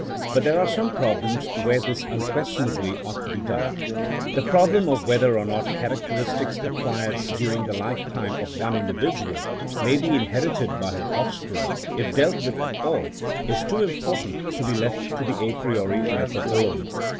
But there are some problems where this unquestionably ought to be done. The problem of whether or not charao teristics acquired during the life time of one individual may be inherited by his offspring, if dealt with at all, is too important to be left to the a priori method alone.